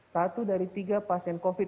satu dari tiga pasien covid sembilan belas